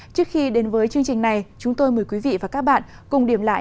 trước khi đến với chương trình này chúng tôi mời quý vị và các bạn cùng điểm lại